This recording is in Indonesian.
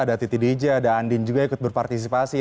ada titi dj ada andin juga ikut berpartisipasi